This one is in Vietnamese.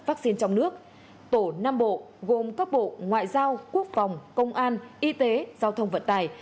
vaccine trong nước tổ năm bộ gồm các bộ ngoại giao quốc phòng công an y tế giao thông vận tài